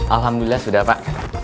alhamdulillah sudah pak